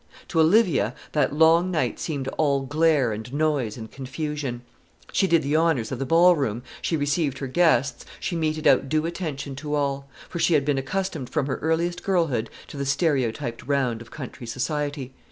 To Olivia that long night seemed all glare and noise and confusion. She did the honours of the ballroom, she received her guests, she meted out due attention to all; for she had been accustomed from her earliest girlhood to the stereotyped round of country society.